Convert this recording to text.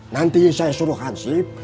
nanti saya suruh hanzib